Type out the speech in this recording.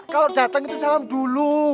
kalau datang itu salam dulu